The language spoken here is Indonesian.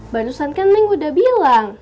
barusan kan neng udah bilang